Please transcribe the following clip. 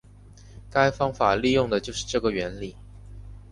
该方法利用的就是这个原理。